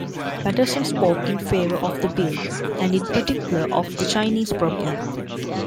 Paterson spoke in favour of the bill, and in particular of the 'Chinese problem'.